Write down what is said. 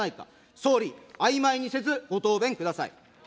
総理、あいまいにせず、ご答弁ください。